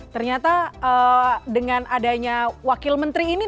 ternyata dengan adanya wakil menteri ini